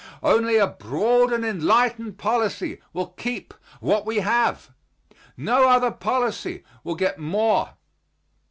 Only a broad and enlightened policy will keep what we have. No other policy will get more.